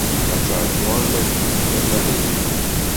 Ad teṛju arma tfukem amahil-nwen.